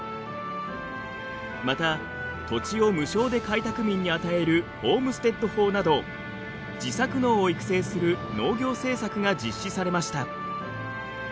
また土地を無償で開拓民に与えるホームステッド法など自作農を育成する農業政策が実施されました。